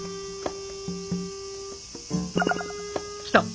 来た！